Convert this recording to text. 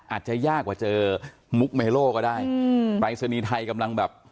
อาจจะยากกว่าเจอมุกเมโลก็ได้อืมปรายศนีย์ไทยกำลังแบบ